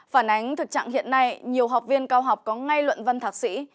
phản ánh thực trạng hiện nay nhiều học viên cao học có ngay luận văn thạc sĩ